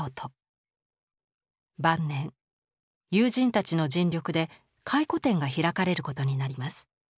晩年友人たちの尽力で回顧展が開かれることになります。